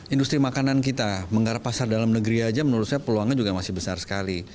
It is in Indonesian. industri makanan kita menggarap pasar dalam negeri aja menurut saya peluangnya juga masih besar sekali